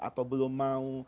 atau belum mau